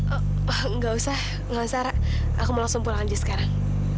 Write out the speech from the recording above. enggak usah enggak usah ra aku mau langsung pulang aja sekarang